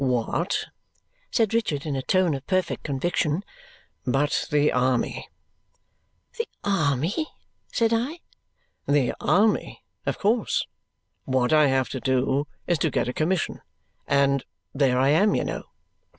"What," said Richard, in a tone of perfect conviction, "but the army!" "The army?" said I. "The army, of course. What I have to do is to get a commission; and there I am, you know!"